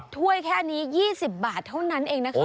ถ้วยแค่นี้๒๐บาทเท่านั้นเองนะคะ